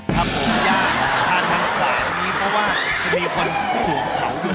ครับผมย่าทานทั้งฝั่งนี้เพราะว่าจะมีคนส่วนเข่าด้วย